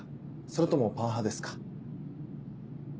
それともパン派ですか？